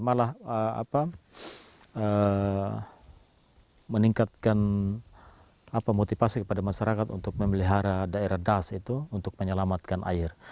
malah meningkatkan motivasi kepada masyarakat untuk memelihara daerah das itu untuk menyelamatkan air